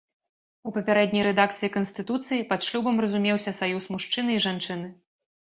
У папярэдняй рэдакцыі канстытуцыі пад шлюбам разумеўся саюз мужчыны і жанчыны.